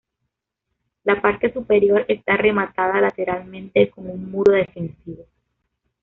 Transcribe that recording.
La parte superior está rematada lateralmente con un muro defensivo.